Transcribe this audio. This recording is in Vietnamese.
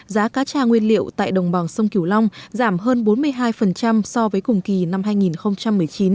giá cá tra nguyên liệu tại đồng bằng sông kiểu long giảm hơn bốn mươi hai so với cùng kỳ năm hai nghìn một mươi chín